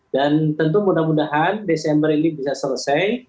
dan tentu mudah mudahan desember ini bisa selesai